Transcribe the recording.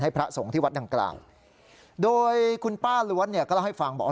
ให้พระสงฆ์ที่วัดดังกลางโดยคุณป้าล้วนก็ให้ฟังบอก